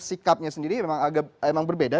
sikapnya sendiri memang berbeda